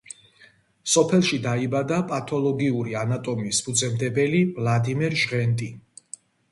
სოფელში დაიბადა პათოლოგიური ანატომიის ფუძემდებელი ვლადიმერ ჟღენტი.